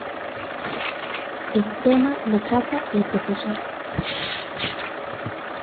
El tema lo trata el Prof.